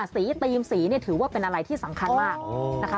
สีธีมสีนี่ถือว่าเป็นอะไรที่สำคัญมากนะคะ